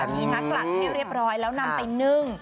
มีนักหลัดพริกเรียบร้อยแล้วนำไปนึ่ง